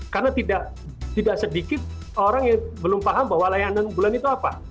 karena tidak sedikit orang yang belum paham bahwa layanan unggulan itu apa